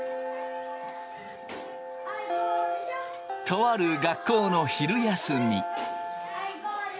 とある学校の昼休み。